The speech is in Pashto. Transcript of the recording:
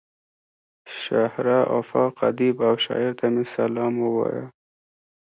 شهره آفاق ادیب او شاعر ته مې سلام ووايه.